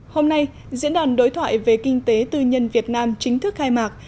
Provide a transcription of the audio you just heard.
hôm nay diễn đàn đối thoại về kinh tế tư nhân việt nam chính thức khai mạc